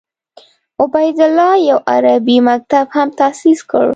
عبیدالله یو عربي مکتب هم تاسیس کړ.